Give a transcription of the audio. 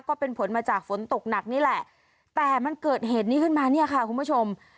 ก็เป็นผลมาจากฝนตกหนักนี่แหละแต่มันเกิดเหตุนี้ขึ้นมาเนี่ยค่ะคุณผู้ชม